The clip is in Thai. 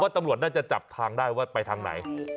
ตำรวจน่าจะจับทางได้ว่าไปทางไหน